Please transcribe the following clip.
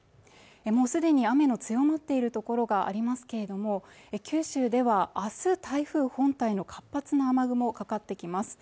もうすでに雨の強まっている所がありますけれども九州では明日台風本体の活発な雨雲かかってきます